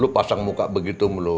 lu pasang muka begitu mulu